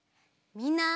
みんな！